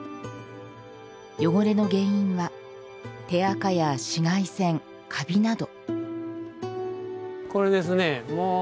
汚れの原因は手あかや紫外線、かびなど。